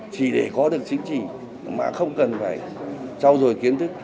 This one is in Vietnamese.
chỉ để có được chứng chỉ mà không cần phải trao dồi kiến thức